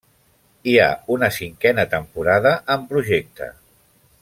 Hi ha una cinquena temporada en projecte.